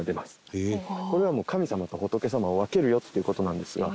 これは神様と仏様を分けるよっていう事なんですが。